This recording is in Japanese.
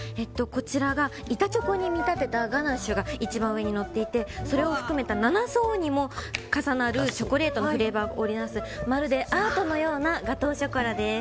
こちらが板チョコに見立てたガナッシュが一番上にのっていてそれを含めた７層にも重なるチョコレートのフレーバーが織りなすまるでアートのようなガトーショコラです。